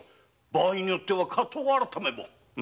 場合によっては「火盗改め」も。